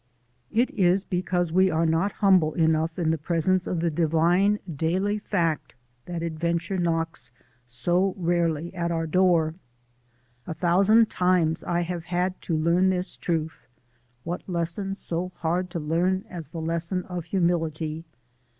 It is because we are not humble enough in the presence of the divine daily fact that adventure knocks so rarely at our door. A thousand times I have had to learn this truth (what lesson so hard to learn as the lesson of humility!)